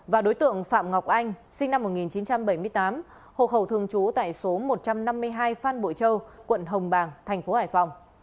và đối tượng phạm ngọc anh sinh năm một nghìn chín trăm bảy mươi tám hộ khẩu thường trú tại số một trăm năm mươi hai phan bội châu quận hồng bàng tp hải phòng